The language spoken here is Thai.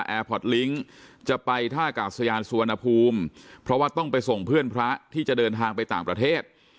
พอร์ตลิงค์จะไปท่ากาศยานสุวรรณภูมิเพราะว่าต้องไปส่งเพื่อนพระที่จะเดินทางไปต่างประเทศ